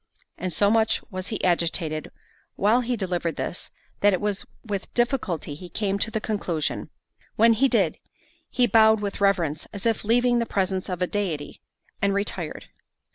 And so much was he agitated while he delivered this, that it was with difficulty he came to the conclusion. When he did, he bowed with reverence, as if leaving the presence of a deity, and retired.